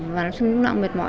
và nó xưng lúc nặng mệt mỏi